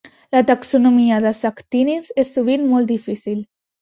La taxonomia dels actínids és sovint molt difícil.